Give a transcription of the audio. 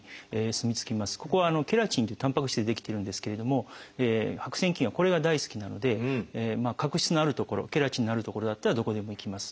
ここはケラチンというたんぱく質で出来てるんですけれども白癬菌はこれが大好きなので角質のある所ケラチンのある所だったらどこでも行きます。